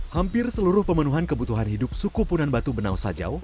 hampir seluruh pemenuhan kebutuhan hidup suku punan batu benau sajau